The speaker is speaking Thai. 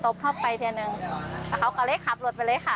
เธอบอกว่าวันเกิดเหตุนะเป็นช่วงที่เธอกำลังจะปิดร้านปะดี